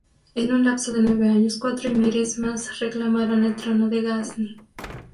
En un lapso de nueve años, cuatro emires más reclamaron el trono de Gazni.